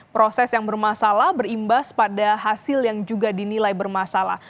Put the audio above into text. proses yang bermasalah berimbas pada hasil yang juga dinilai bermasalah